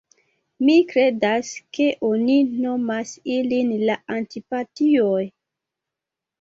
Mi kredas ke oni nomas ilin la Antipatioj."